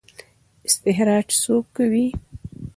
استخراج څوک کوي؟